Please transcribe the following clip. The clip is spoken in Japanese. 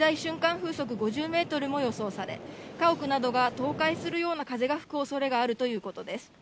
風速５０メートルも予想され、家屋などが倒壊するような風が吹くおそれがあるということです。